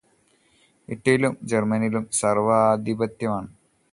ഇറ്റലിയിലും ജർമനിയിലും സർവാധിപത്യമാണ്.